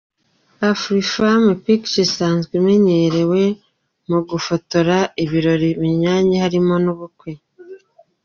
Afrifame Pictures isanzwe imenyerewe mu gufotora ibirori binyuranye harimo n'ubukwe.